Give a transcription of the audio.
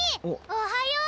おはよう！